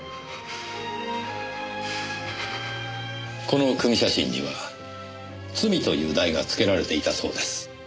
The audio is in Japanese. この組み写真には『罪』という題がつけられていたそうです。